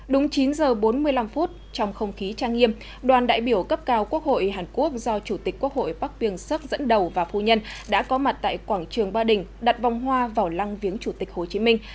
đúng chín giờ bốn mươi năm phút trong không khí trang nghiêm đoàn đại biểu cấp cao quốc hội hàn quốc do chủ tịch quốc hội bắc biên sắc dẫn đầu và phu nhân đã có mặt tại quảng trường ba đình đặt vòng hoa vào lăng viếng chủ tịch hồ chí minh